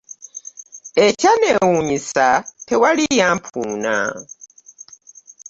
Ekyanneewuunyisa tewali yampuuna.